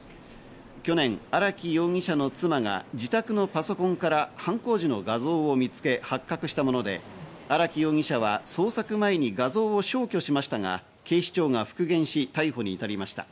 去年、荒木容疑者の妻が自宅のパソコンから犯行時の画像を見つけ発覚したもので、荒木容疑者は捜索前に画像を消去しましたが、警視庁が復元し、逮捕に至りました。